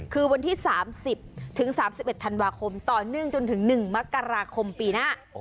คือวันที่๓๐ถึง๓๑ธันวาคมต่อเนื่องจนถึง๑มกราคมปีหน้า